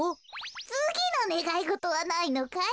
つぎのねがいごとはないのかい？